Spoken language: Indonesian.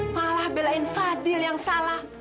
malah belain fadil yang salah